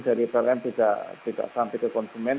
dari pln tidak sampai ke konsumen